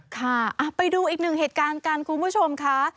ค่ะไปดูอีกหนึ่งเหตุการณ์กันคุณผู้ชมค่ะ